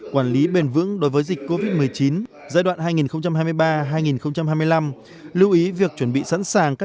quản lý bền vững đối với dịch covid một mươi chín giai đoạn hai nghìn hai mươi ba hai nghìn hai mươi năm lưu ý việc chuẩn bị sẵn sàng các